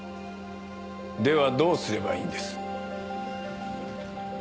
ではどうすればいいんです？